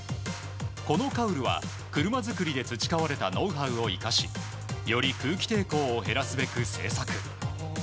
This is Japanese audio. このカウルは、車作りで培われたノウハウを生かしより空気抵抗を減らすべく製作。